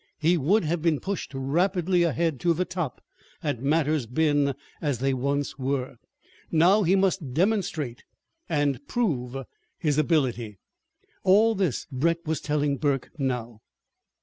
He would have been pushed rapidly ahead to the top, had matters been as they once were. Now he must demonstrate and prove his ability. All this Brett was telling Burke now.